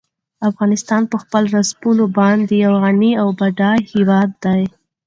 افغانستان په خپلو رسوبونو باندې یو غني او بډای هېواد دی.